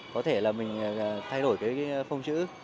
có thể là mình thay đổi phông chữ